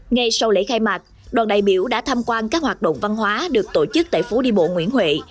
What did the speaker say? ngay sau lễ khai mạc đoàn đại biểu đã tham quan các hoạt động văn hóa được tổ chức tại phố đi bộ nguyễn huệ